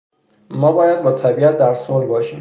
ما باید با طبیعت در صلح باشیم.